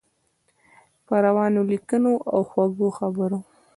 په روانو لیکنو او خوږو خبرو.